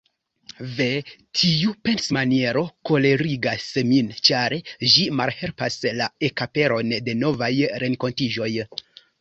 Ve, tiu pensmaniero kolerigas min, ĉar ĝi malhelpas la ekaperon de novaj renkontiĝoj.